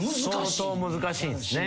相当難しいんですね。